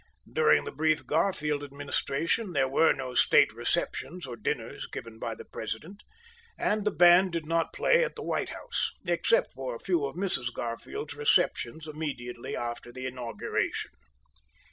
During the brief Garfield administration there were no state receptions or dinners given by the President, and the band did not play at the White House, except for a few of Mrs. Garfield's receptions immediately after the inauguration.